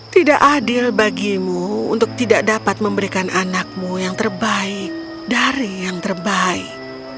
tidak adil bagimu untuk tidak dapat memberikan anakmu yang terbaik